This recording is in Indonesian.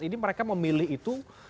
karena mereka memilih itu